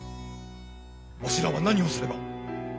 わしらは何をすれば？